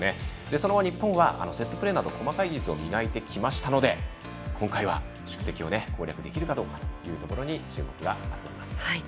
その後、日本はセットプレーなど細かい技術を磨いてきたので今回は、宿敵を攻略できるかというところに注目が集まります。